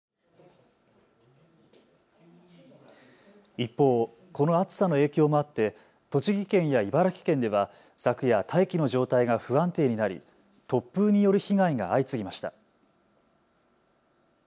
一方、この暑さの影響もあって栃木県や茨城県では昨夜、大気の状態が不安定になり突風による被害が相次ぎました。